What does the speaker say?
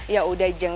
ya udah jeng